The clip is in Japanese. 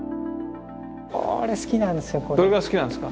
これ好きなんですよ。